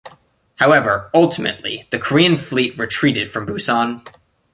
However, ultimately, the Korean fleet retreated from Busan.